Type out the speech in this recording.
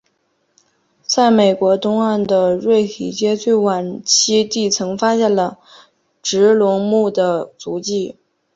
在美国东岸的瑞提阶最晚期地层发现了植龙目的足迹。